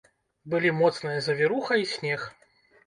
Былі моцная завіруха і снег.